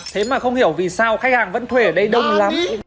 thế mà không hiểu vì sao khách hàng vẫn thuê ở đây đông lắm